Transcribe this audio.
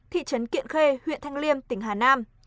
thị trấn kiện khê huyện thanh liêm tỉnh hà nam